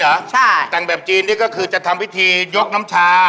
ให้เข้าโฟล์และจังแต่งแบบจีนนี่ก็คือจะทำพิธียกน้ำชา